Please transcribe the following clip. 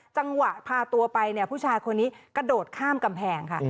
จังหวะพาตัวไปเนี่ยผู้ชายคนนี้กระโดดข้ามกำแพงค่ะ